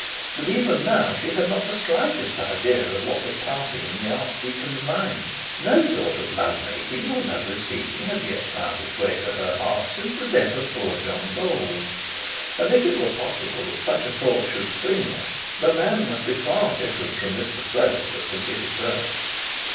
But even now she had not the slightest idea of what was passing in the archdeacon's mind. No thought of love making or love receiving had yet found its way to her heart since the death of poor John Bold; and if it were possible that such a thought should spring there, the man must be far different from Mr Slope that could give it birth.